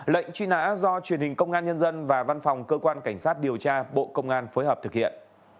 lệnh truy nã do truyền hình công an nhân dân và văn phòng cơ quan cảnh sát điều tra bộ công an phối hợp thực hiện